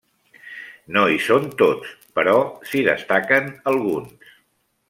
No hi són tots, però s'hi destaquen alguns.